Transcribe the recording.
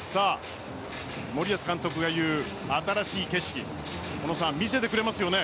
森保監督が言う新しい景色見せてくれますよね？